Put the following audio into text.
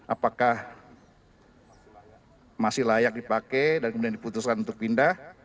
apakah masih layak dipakai dan kemudian diputuskan untuk pindah